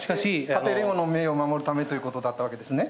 家庭連合の名誉を守るためということだったわけですね。